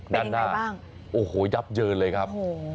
ด้านหน้าโอ้โหยับเยินเลยครับ